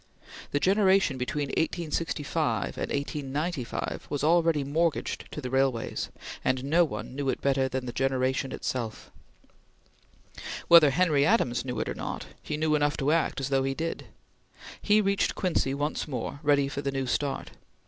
The generation between 1865 and 1895 was already mortgaged to the railways, and no one knew it better than the generation itself. Whether Henry Adams knew it or not, he knew enough to act as though he did. He reached Quincy once more, ready for the new start.